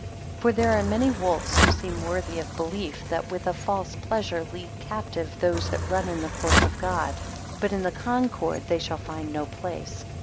6 For there are many wolves who seem worthy of belief, that with a false pleasure lead captive those that run in the course of God; but in the concord they shall find no place.